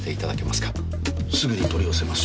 すぐに取り寄せます。